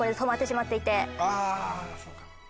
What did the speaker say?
あそうか。